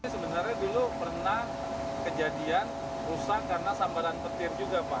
sebenarnya dulu pernah kejadian rusak karena sambaran petir juga pak